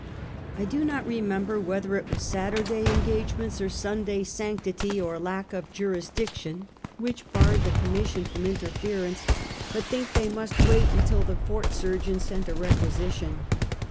I do not remember whether it was Saturday engage ments, or Sunday sanctity, or lack of jurisdiction, ISTo Use foe me Amonq the Wouxded. 241 wliicli barred the Commission from interference; bnt think the_y mnst wait nntil the fort surgeon sent a requisition.